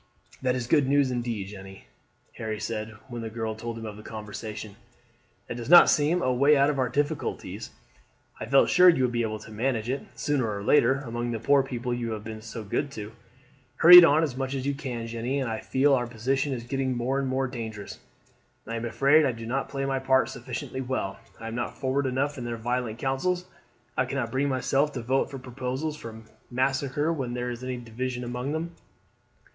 "That is good news indeed, Jeanne," Harry said, when the girl told him of the conversation. "That does seem a way out of our difficulties. I felt sure you would be able to manage it, sooner or later, among the poor people you have been so good to. Hurry it on as much as you can, Jeanne. I feel that our position is getting more and more dangerous. I am afraid I do not play my part sufficiently well. I am not forward enough in their violent councils. I cannot bring myself to vote for proposals for massacre when there is any division among them.